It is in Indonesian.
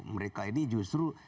mereka ini justru berpengalaman